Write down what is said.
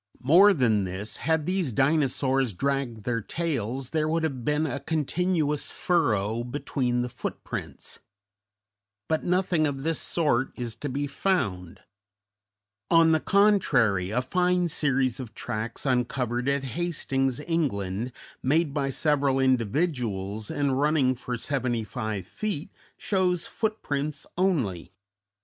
More than this, had these Dinosaurs dragged their tails there would have been a continuous furrow between the footprints; but nothing of this sort is to be found; on the contrary, a fine series of tracks, uncovered at Hastings, England, made by several individuals and running for seventy five feet, shows footprints only.